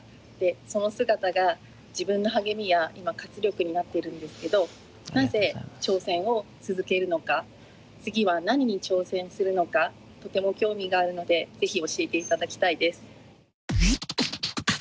その姿が自分の励みや今活力になっているんですけどなぜ挑戦を続けるのか次は何に挑戦するのかとても興味があるのでぜひ教えて頂きたいです。